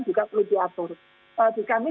juga perlu diatur jika ini